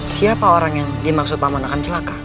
siapa orang yang dimaksud paman akan celaka